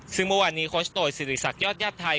ซึ่งเมื่อวานนี้โคชโตยสิริษักยอดญาติไทย